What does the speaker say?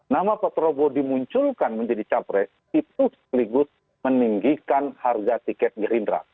nama pak prabowo dimunculkan menjadi capres itu sekaligus meninggikan harga tiket gerindra